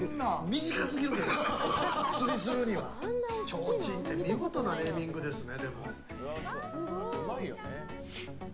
ちょうちんって見事なネーミングですね。